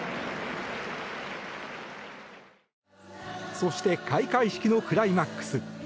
そして開会式のクライマックス。